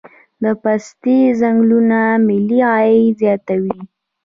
د پستې ځنګلونه ملي عاید زیاتوي.